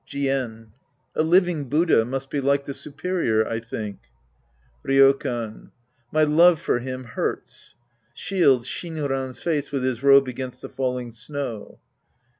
Jien. A living Buddha must be like the superior, I think. Rydkan. My love for him hurts. {Shields Shin 'Rxn'sface with his robe against the falling snow.)